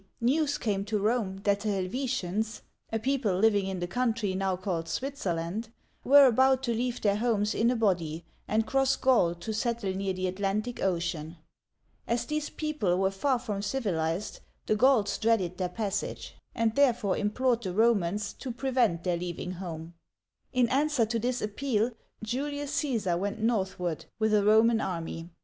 news came to Rome that the Helve' tians — a people living in the country now called Switzerland — were about to leave their homes in a body, and cross Gaul to settle near the Atlantic Ocean. As these people were fir from civilized, the Gauls dreaded their passage, * Story of the RqmqnSy pp. 157, 158, Digitized by VjOOQIC 28 OLD FRANCE and therefore implored the Romans to prevent their leav ing home. In answer to this appeal, Julius Caesar went northward with a Roman army.